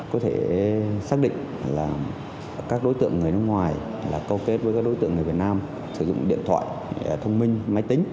có thể xác định là các đối tượng người nước ngoài là câu kết với các đối tượng người việt nam sử dụng điện thoại thông minh máy tính